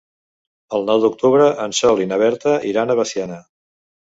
El nou d'octubre en Sol i na Berta iran a Veciana.